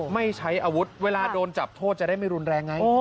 ไม่ใช้อาวุธเวลาโดนจับโทษจะได้ไม่รุนแรงไง